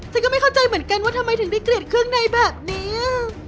ฉันก็ไม่เข้าใจเหมือนกันว่าทำไมถึงได้กลิ่นเครื่องในแบบนี้